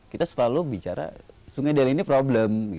kita selalu bicara sungai del ini problem